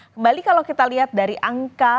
kembali kalau kita lihat dari angka